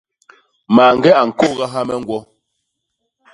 Mañge a ñkôgaha me ñgwo.